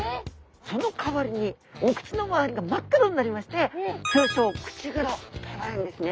そのかわりにお口の周りが真っ黒になりまして通称「口黒」と呼ばれるんですね。